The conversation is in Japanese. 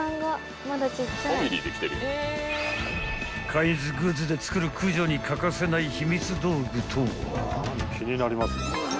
［カインズグッズで作る駆除に欠かせない秘密道具とは？］